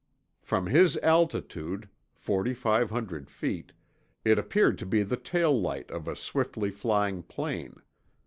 From his altitude, 4,500 feet, it appeared to be the tail light of a swiftly flying plane.